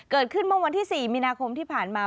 เกิดขึ้นเมื่อวันที่๔มีนาคมที่ผ่านมา